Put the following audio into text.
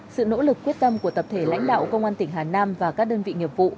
sự nỗ lực quyết tâm của tập thể lãnh đạo công an tỉnh hà nam và các đơn vị nghiệp vụ